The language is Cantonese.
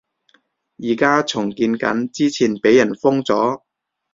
而家重建緊，之前畀人封咗